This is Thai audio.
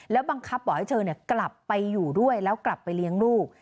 บังคับบอกให้เธอกลับไปอยู่ด้วยแล้วกลับไปเลี้ยงลูก